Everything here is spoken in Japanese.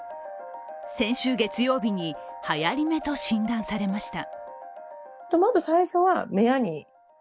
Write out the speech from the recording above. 先週月曜日に、はやり目と診断されました。